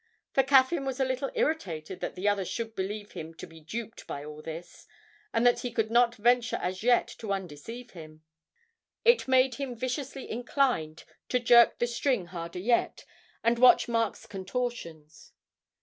For Caffyn was a little irritated that the other should believe him to be duped by all this, and that he could not venture as yet to undeceive him. It made him viciously inclined to jerk the string harder yet, and watch Mark's contortions.